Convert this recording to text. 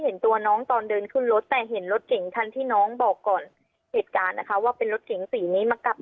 เพราะหนูเห็นต้องจากโรงเรียนนะคะ